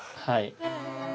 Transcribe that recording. はい。